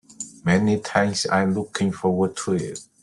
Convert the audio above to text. Many thanks. I'm looking forward to it.